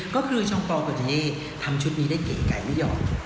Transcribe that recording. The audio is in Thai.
ก็คือช่องปอลก็จะได้ทำชุดนี้ได้เก๋ไก่ไม่ยอม